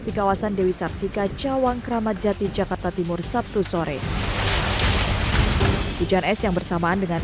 di kawasan dewi sabjika jawa kramatjati jakarta timur sabtu sore hujan es yang bersamaan dengan